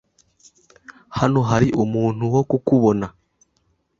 hano hari umuntu wo kukubona.